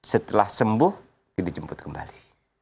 setelah sembuh dijemput kembali